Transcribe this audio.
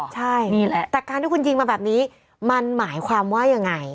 ใช่นี่แหละแต่การที่คุณยิงมาแบบนี้มันหมายความว่ายังไง